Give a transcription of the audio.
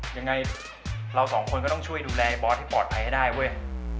ยังไงเราสองคนก็ต้องช่วยดูแลบอสให้ปลอดภัยให้ได้เว้ย